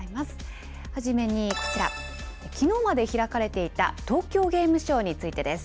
初めにこちら、きのうまで開かれていた、東京ゲームショウについてです。